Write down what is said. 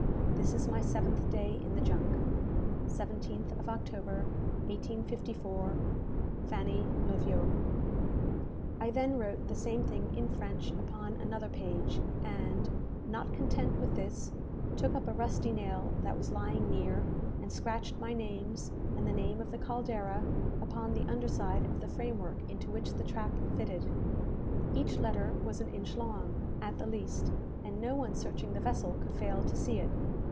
This is my seventh day in the junk. 17th of October, 1854. FANNY LOVIOT." I then wrote the same thing in French upon another page, and, not content with this, took up a rusty nail that was lying near, and scratched my names, and the name of the "Caldera," upon the under side of the framework into which the trap fitted. Each letter was an inch long, at the least, and no one searching the vessel could fail to see it.